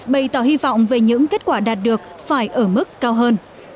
bày tỏ hy vọng về những kết quả đạt được phải ở mức cao hơn